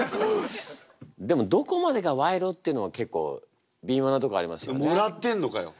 でもどこまでが賄賂っていうのは結構びみょうなところありますよね。